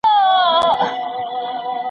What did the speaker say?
زه به ولي نن د دار سر ته ختلاى